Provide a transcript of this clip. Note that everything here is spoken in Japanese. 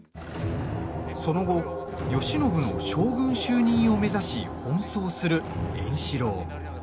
その後慶喜の将軍就任を目指し奔走する円四郎。